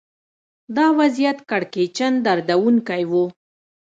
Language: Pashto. دا وضعیت کړکېچن دردونکی و